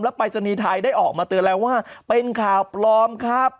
ปรายศนีย์ไทยได้ออกมาเตือนแล้วว่าเป็นข่าวปลอมครับ